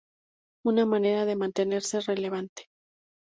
Una manera de mantenerse relevante".